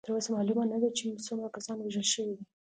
تر اوسه معلومه نه ده چې څومره کسان وژل شوي دي.